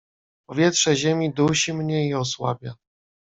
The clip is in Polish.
"Powietrze ziemi dusi mnie i osłabia."